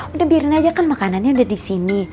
udah biarin aja kan makanannya udah disini